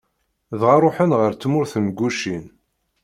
dɣa ṛuḥen ɣer tmurt n Gucin.